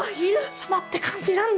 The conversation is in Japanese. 「さま」って感じなんだよ。